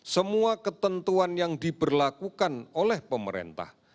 semua ketentuan yang diberlakukan oleh pemerintah